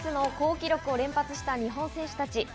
ノーミスの好記録を連発した日本選手たち。